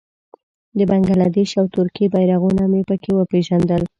د بنګله دېش او ترکیې بېرغونه مې په کې وپېژندل.